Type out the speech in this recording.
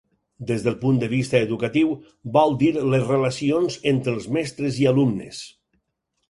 Des del punt de vista educatiu, vol dir les relacions entre els mestres i alumnes.